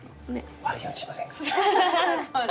悪いようにしませんから。